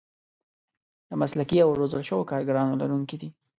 د مسلکي او روزل شوو کارګرانو لرونکي دي.